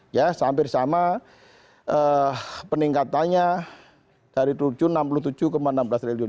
ya hampir sama peningkatannya dari rp enam puluh tujuh enam belas triliun